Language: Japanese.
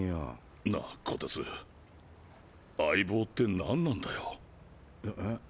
なあ虎徹相棒って何なんだよ。え？